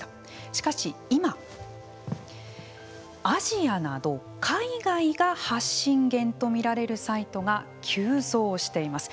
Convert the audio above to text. しかし、今アジアなど海外が発信源とみられるサイトが急増しています。